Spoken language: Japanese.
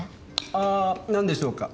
ああーなんでしょうか？